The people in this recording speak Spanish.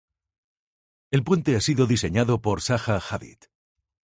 El puente ha sido diseñado por Zaha Hadid.